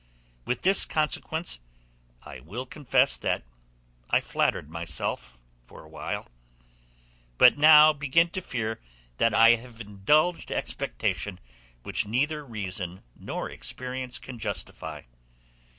With this consequence I will confess that I flattered myself for a while; but now begin to fear that I have indulged expectation which neither reason nor experience can justify.